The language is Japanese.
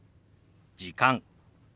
「時間」。